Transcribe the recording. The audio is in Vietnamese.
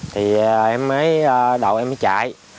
thì em mới đầu em mới chạy